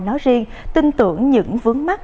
nói riêng tin tưởng những vướng mắt